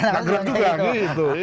nggak gerak juga gitu